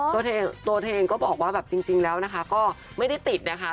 ตัวเธอเองก็บอกว่าแบบจริงแล้วนะคะก็ไม่ได้ติดนะคะ